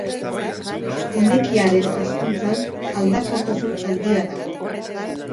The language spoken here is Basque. Umekiaren hazkuntzan aldakortasun handia dago.